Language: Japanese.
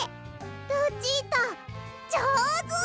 ルチータじょうず！